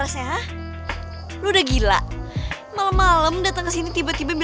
sebesar bumi itu katamu